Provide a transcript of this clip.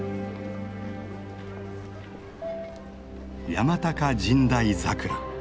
山高神代桜。